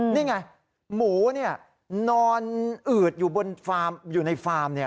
นี่ไงหมูนี่นอนอืดอยู่ในฟาร์ม